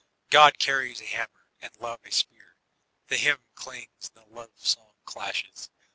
God carries a hammer, and Love a spear. The hymn clangs, and the love song clashes.